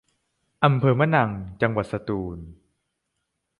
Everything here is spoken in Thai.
อำเภอมะนัง จังหวัดสตูล